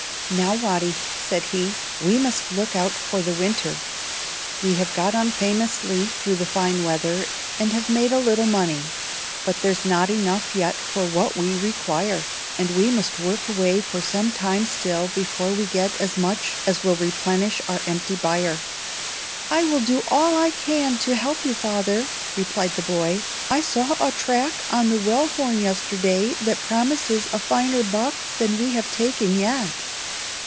"Now, Watty," said he, "we must look out for the winter. We have got on famously through the fine weather, and have made a little money; but there's not enough yet for what we require, and we must work away for some time still before we get as much as will replenish our empty byre." "I will do all I can to help you, father," replied the boy. "I saw a track on the Wellhorn yesterday that promises a finer buck than we have taken yet."